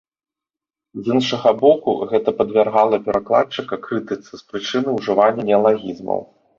З іншага боку, гэта падвяргала перакладчыка крытыцы з прычыны ўжывання неалагізмаў.